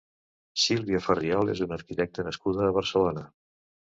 Sílvia Farriol és una arquitecta nascuda a Barcelona.